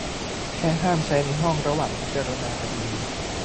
แค่ห้ามใช้ในห้องระหว่างพิจารณาคดี